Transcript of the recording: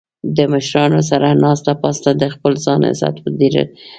د مشرانو سره ناسته پاسته د خپل ځان عزت ډیرول وي